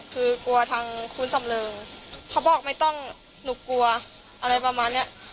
คือกลัวทางคุณสำเริงเขาบอกไม่ต้องหนูกลัวอะไรประมาณเนี้ย